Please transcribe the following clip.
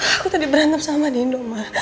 aku tadi berantem sama nino ma